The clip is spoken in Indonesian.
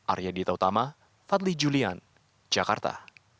arya dita utama fadli julian jakarta